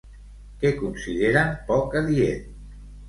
Què consideren poc adient?